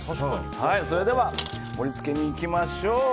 それでは盛り付けにいきましょう。